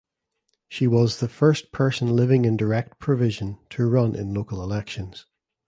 She was the first person living in Direct Provision to run in local elections.